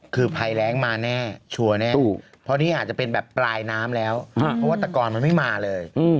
คือภัยแรงมาแน่ชัวร์แน่เพราะนี่อาจจะเป็นแบบปลายน้ำแล้วเพราะว่าตะกรมันไม่มาเลย